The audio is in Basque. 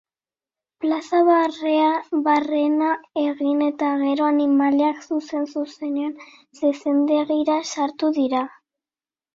Plazan barrena egin eta gero, animaliak zuzen-zuzenean zezendegietara sartu dira.